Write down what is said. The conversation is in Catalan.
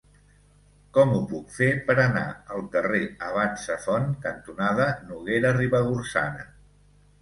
Com ho puc fer per anar al carrer Abat Safont cantonada Noguera Ribagorçana?